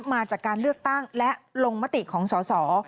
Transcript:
มาจากการเลือกตั้งและลงมติของสอสอ